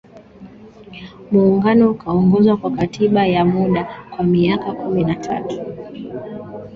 Muungano ukaongozwa kwa Katiba ya Muda kwa miaka kumi na tatu